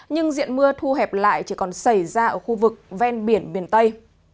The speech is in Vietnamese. nhưng diện mưa thu hẹp lại chỉ còn xảy ra ở khu vực ven biển miền tây